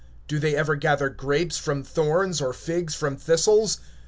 Do men gather grapes from thorns, or figs from thistles?